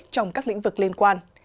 trong các lĩnh vực liên quan